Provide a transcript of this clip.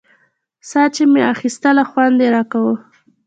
ساه چې مې اخيستله خوند يې راکاوه.